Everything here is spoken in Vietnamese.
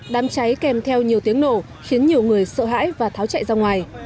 đám cháy kèm theo nhiều tiếng nổ khiến nhiều người sợ hãi và tháo chạy ra ngoài